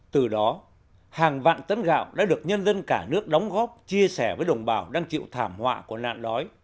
từ đó hàng vạn tấn gạo đã được nhân dân cả nước đóng góp chia sẻ với đồng bào đang chịu thảm họa của nạn đói